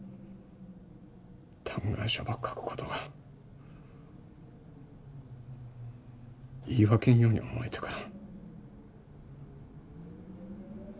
嘆願書ば書くことが言い訳んように思えてから。